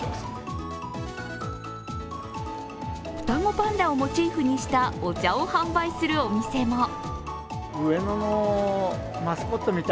双子パンダをモチーフにしたお茶を販売するお店も。